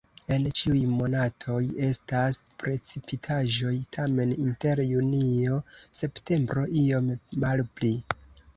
En ĉiuj monatoj estas precipitaĵoj, tamen inter junio-septembro iom malpli.